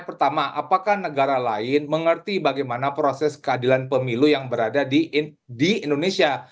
pertama apakah negara lain mengerti bagaimana proses keadilan pemilu yang berada di indonesia